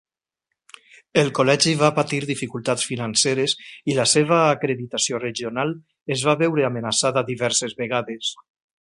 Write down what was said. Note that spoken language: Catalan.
El col·legi va patir dificultats financeres i la seva acreditació regional es va veure amenaçada diverses vegades.